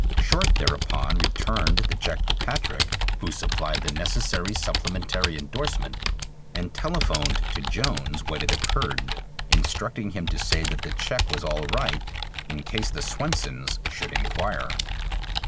Short thereupon returned the check to Patrick, who supplied the necessary supplementary indorsement and telephoned to Jones what had occurred, instructing him to say that the check was all right in case the Swensons should inquire.